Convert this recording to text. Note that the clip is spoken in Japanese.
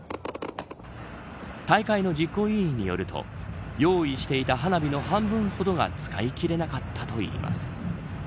大会の実行委員によると用意していた花火の半分ほどが使い切れなかったといいます。